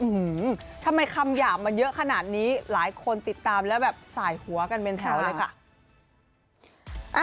ทำไมคำหยาบมันเยอะขนาดนี้หลายคนติดตามแล้วแบบสายหัวกันเป็นแถวเลยค่ะ